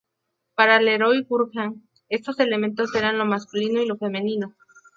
Para Leroi-Gourhan estos elementos eran lo masculino y lo femenino.